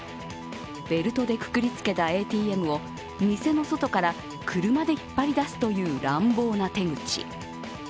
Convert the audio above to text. ベルトでくくりつけたＡＴＭを店の外から車で引っ張り出すという乱暴な手口。